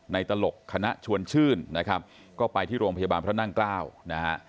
ในตลกคณะชวนชื่นก็ไปที่โรงพยาบาลพระท่านนั่งเกล้า